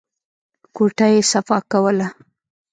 کوټه يې صفا کوله.